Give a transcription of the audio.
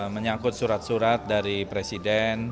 menyangkut surat surat dari presiden